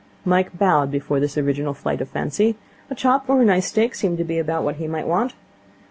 Mike bowed before this original flight of fancy. A chop or a nice steak seemed to be about what he might want.